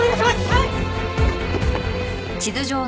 はい！